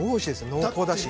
濃厚だし。